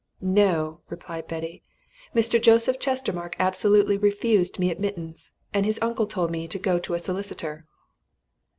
"No!" replied Betty. "Mr. Joseph Chestermarke absolutely refused me admittance, and his uncle told me to go to a solicitor."